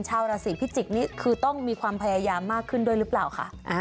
ชาวราศีพิจิกนี่คือต้องมีความพยายามมากขึ้นด้วยหรือเปล่าคะ